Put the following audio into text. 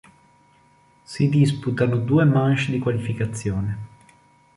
Si disputano due manche di qualificazione.